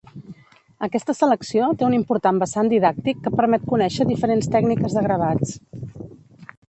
Aquesta selecció té un important vessant didàctic que permet conèixer diferents tècniques de gravats.